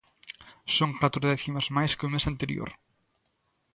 Son catro décimas máis que o mes anterior.